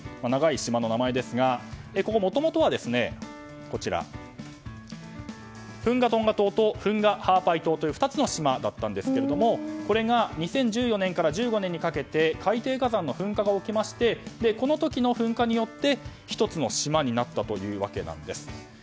長い島の名前ですがここ、もともとはフンガトンガ島とフンガハアパイ島という２つの島だったんですけどこれが２０１４年から１５年にかけて海底火山の噴火が起きましてこの時の噴火によって１つの島になったというわけです。